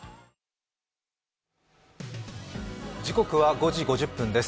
時刻は５時５０分です。